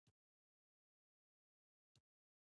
موزیک د اوسني حال عکس دی.